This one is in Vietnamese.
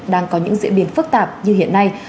đang có những diễn biến phức tạp như hiện nay